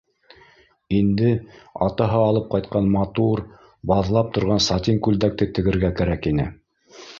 Инде атаһы алып ҡайтҡан матур, баҙлап торған сатин күлдәкте тегергә кәрәк ине.